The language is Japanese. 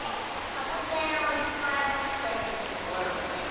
サボテンをいっぱいもっているところです。